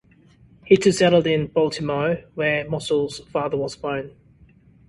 He too settled in Baltimore, where Mossell's father was born.